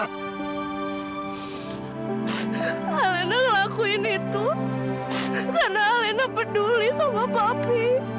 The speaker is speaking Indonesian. alena ngelakuin itu karena alena peduli sama papi